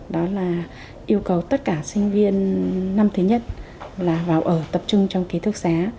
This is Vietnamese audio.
đó là yêu cầu tất cả sinh viên năm thứ nhất là vào ở tập trung trong ký thức xá